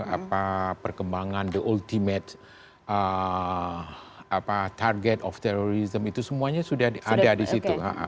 apa perkembangan the ultimate target of terrorism itu semuanya sudah ada di situ